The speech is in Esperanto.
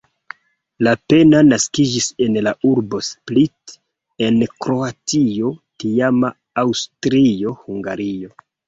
Lapenna naskiĝis en la urbo Split en Kroatio, tiama Aŭstrio-Hungario.